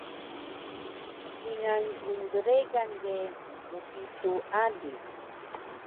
Kingal gndregan ge mpitu ali